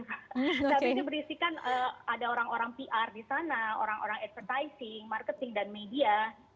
tapi ini berisikan ada orang orang pr di sana orang orang advertising marketing dan media